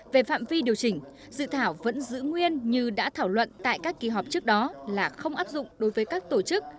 về phạm vi điều chỉnh dự thảo vẫn giữ nguyên như đã thảo luận tại các kỳ họp trước đó là không áp dụng đối với các tổ chức